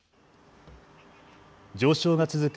上昇が続く